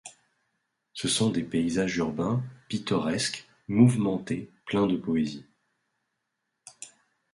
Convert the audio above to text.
Ce sont des paysages urbains, pittoresques, mouvementés, pleins de poésie.